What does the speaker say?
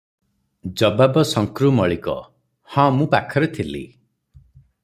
ଜବାବ ଶଙ୍କ୍ରୁ ମଳିକ - ହଁ, ମୁଁ ପାଖରେ ଥିଲି ।